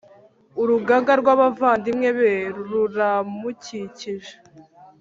urugaga rw’abavandimwe be ruramukikije,